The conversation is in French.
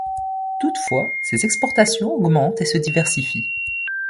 Toutefois, ces exportations augmentent et se diversifie.